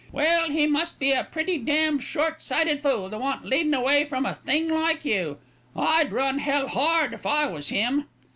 "Well, he must be a pretty damn short sighted fool to want leadin' away from a thing like you. I'd run hell hard if I was him."